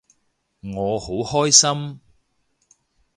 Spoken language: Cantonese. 我好開心